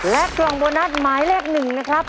และกล่องโบนัสหมายเลข๑นะครับ